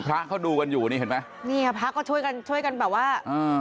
พระเขาดูกันอยู่พระก็ช่วยกันแบบว่า